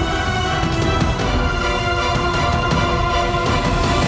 aku akan menangkapmu